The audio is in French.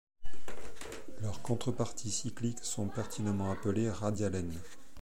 Leurs contreparties cycliques sont pertinemment appelés radialènes.